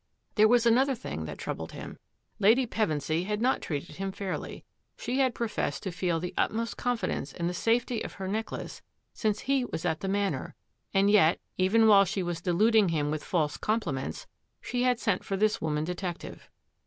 There was another thing that troubled him. Lady Pevensy had not treated him fairly. She had professed to feel the utmost confidence in the safety of her necklace since he was at the Manor, and yet, even while she was deluding him with false compliments, she had sent for this woman detective.